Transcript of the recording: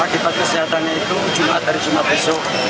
akibat kesehatannya itu jumat hari jumat besok